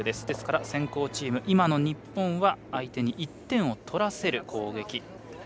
ですから先攻チーム、今の日本は相手に１点を取らせる攻撃。